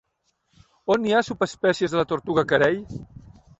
On hi ha subespècies de la tortuga carei?